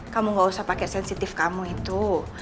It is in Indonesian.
kamu gak usah pakai sensitif kamu itu